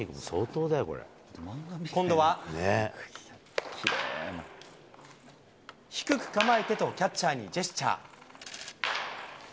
今度は低く構えてとキャッチャーにジェスチャー。